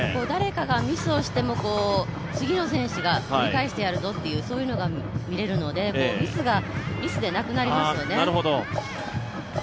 誰かがミスをしても、次の選手が取り返してやるぞというそういうのが見えるのでミスがミスでなくなりますよね。